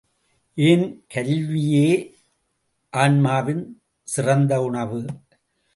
ஏன் கல்வியே ஆன்மாவின் சிறந்த உணவு.